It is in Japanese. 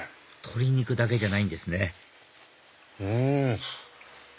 鶏肉だけじゃないんですねうん！